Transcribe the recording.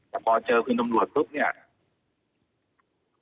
แต่พอเจอคุณตำรวจปุ๊บเนี่ย